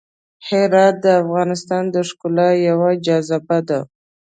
هرات د افغانستان د ښکلا یوه جاذبه ده.